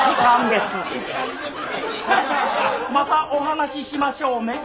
またお話ししましょうね。